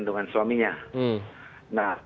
dengan suaminya nah